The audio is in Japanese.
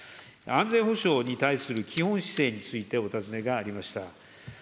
安全保障に対する基本姿勢についてお尋ねがありました。